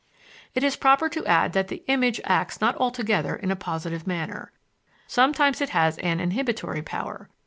It is proper to add that the image acts not altogether in a positive manner. Sometimes it has an inhibitory power.